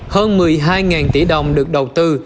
hơn một mươi hai tỷ đồng được đầu tư